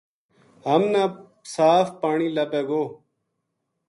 ہم نا صاف پانی لبھے گو